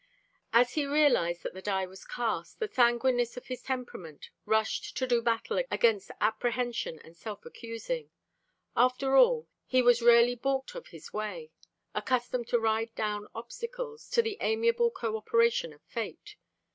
As he realized that the die was cast, the sanguineness of his temperament rushed to do battle against apprehension and self accusing. After all, he was rarely balked of his way, accustomed to ride down obstacles, to the amiable cooperation of fate.